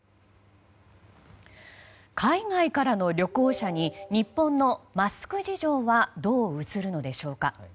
海外からの旅行者に日本のマスク事情はどう映るのでしょうか。